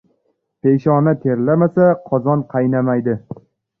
• Peshona terlamasa qozon qaynamaydi.